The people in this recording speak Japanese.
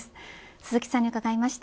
鈴木さんに伺いました。